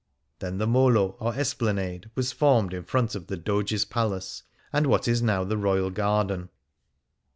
Then the Molo, or esplanade, was formed in front of the Doge^s Palace, and what is now the Royal Garden.